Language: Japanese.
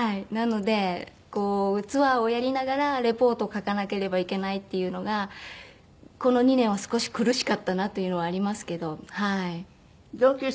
なのでツアーをやりながらリポートを書かなければいけないっていうのがこの２年は少し苦しかったなというのはありますけど。